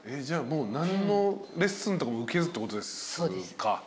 じゃあもう何のレッスンとかも受けずってことですか。